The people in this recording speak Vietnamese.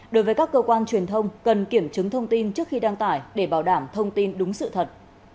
đối với các cơ quan truyền thông cần kiểm chứng thông tin trước khi đăng tải để bảo đảm thông tin đúng sự thật